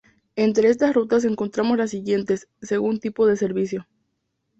Entre estas rutas encontramos las siguientes, según tipo de servicio.